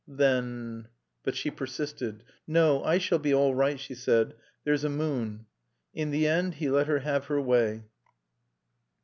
"Then " But she persisted. "No. I shall be all right," she said. "There's a moon." In the end he let her have her way.